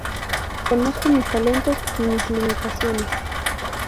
Conozco mis talentos y mis limitaciones.